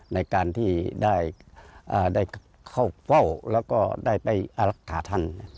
ในการที่ได้เข้าเฝ้าแล้วก็ได้ไปอารักษาท่าน